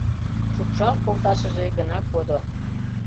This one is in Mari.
Шупшал колташыже гына кодо.